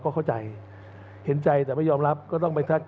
ก็เข้าใจเห็นใจแต่ไม่ยอมรับก็ต้องไปทัก